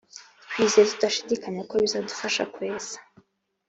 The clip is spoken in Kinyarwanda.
twizeye tudashidikanya ko bizadufasha kwesa